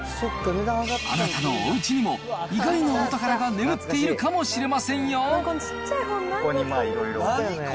あなたのおうちにも、意外なお宝が眠っているかもしれませんよ。